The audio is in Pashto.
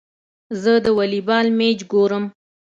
زه د والي بال مېچ ګورم.